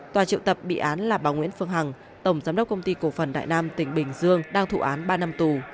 tòa triệu tập bị án là bà nguyễn phương hằng tổng giám đốc công ty cổ phần đại nam tỉnh bình dương đang thụ án ba năm tù